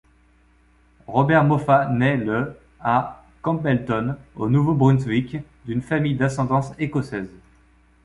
Robert Moffat naît le à Campbellton, au Nouveau-Brunswick, d'une famille d'ascendance écossaise.